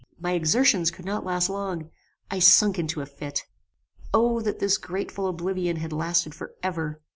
My exertions could not last long; I sunk into a fit. O that this grateful oblivion had lasted for ever!